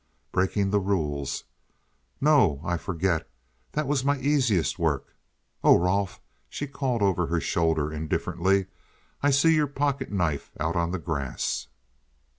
"Breaking the rules. No, I forget; that was my easiest work. Oh, Rolfe," she called over her shoulder, indifferently, "I see your pocket knife out on the grass."